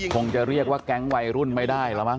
คงจะเรียกว่าแก๊งวัยรุ่นไม่ได้แล้วมั้